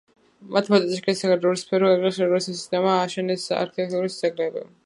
მათ მოაწესრიგეს აგრარული სფერო, გაიყვანეს საირიგაციო სისტემა, ააშენეს არქიტექტურული ძეგლები.